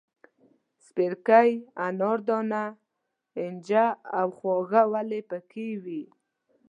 سپیرکۍ، اناردانه، اینجه او خواږه ولي پکې وې.